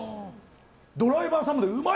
ドライバーさんもうまい！